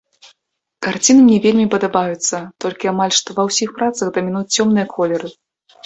Карціны мне вельмі падабаюцца, толькі амаль што ва ўсіх працах дамінуюць цёмныя колеры.